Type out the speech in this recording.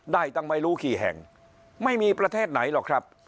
ตั้งไม่รู้กี่แห่งไม่มีประเทศไหนหรอกครับ